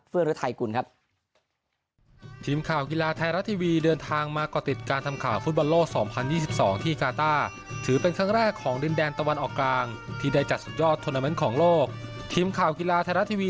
เฟื่อรถไทยกุลครับ